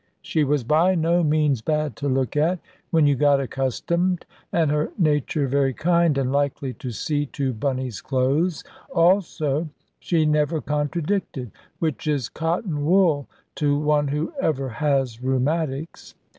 She was by no means bad to look at, when you got accustomed; and her nature very kind, and likely to see to Bunny's clothes; also she never contradicted; which is cotton wool to one who ever has rheumatics.